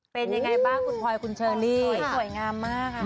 เป็นยังไงบ้างคุณพลอยคุณเชอรี่สวยงามมากค่ะ